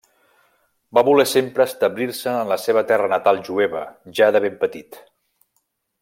Va voler sempre establir-se en la seva terra natal jueva ja de ben petit.